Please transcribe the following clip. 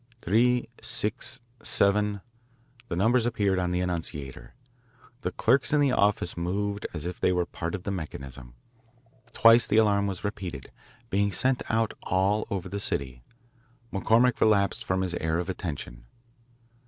"Three," "six," "seven," the numbers appeared on the annunciator. The clerks in the office moved as if they were part of the mechanism. Twice the alarm was repeated, being sent out all over the city. McCormick relapsed from his air of attention.